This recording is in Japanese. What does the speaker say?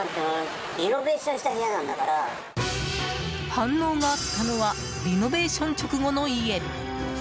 反応があったのはリノベーション直後の家。